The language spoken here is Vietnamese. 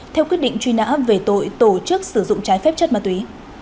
theo quyết định truy nã về tội tổ chức sử dụng trái phép chất ma túy